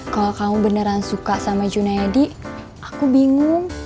kalau kamu beneran suka sama juna yadi aku bingung